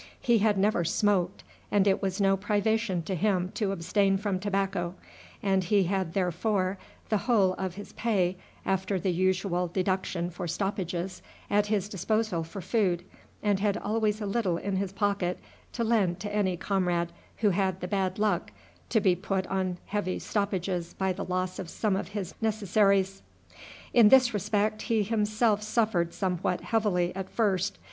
He had never smoked, and it was no privation to him to abstain from tobacco, and he had therefore the whole of his pay, after the usual deduction for stoppages, at his disposal for food, and had always a little in his pocket to lend to any comrade who had the bad luck to be put on heavy stoppages by the loss of some of his necessaries. In this respect he himself suffered somewhat heavily at first.